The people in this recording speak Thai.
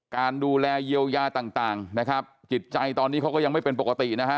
การดูแลเยียวยาต่างนะครับจิตใจตอนนี้เขาก็ยังไม่เป็นปกตินะฮะ